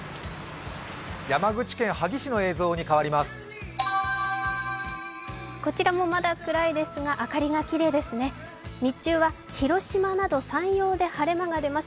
山口県萩市の映像に変わります。